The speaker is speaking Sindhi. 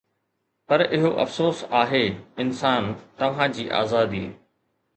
پر اهو افسوس آهي، انسان، توهان جي آزادي